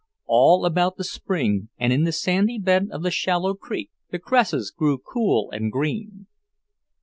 All about the spring, and in the sandy bed of the shallow creek, the cresses grew cool and green.